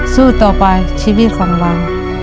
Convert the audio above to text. สู้ต่อไปชีวิตของเรา